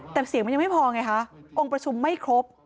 แต่เสียงมันยังไม่พอไงคะองค์ประชุมไม่ครบ